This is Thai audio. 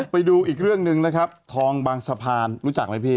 ไปดูอีกเรื่องหนึ่งนะครับทองบางสะพานรู้จักไหมพี่